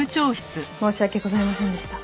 申し訳ございませんでした。